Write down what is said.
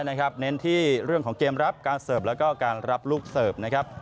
เน้นที่เรื่องของเกมรับการเสิร์ฟแล้วก็การรับลูกเสิร์ฟนะครับ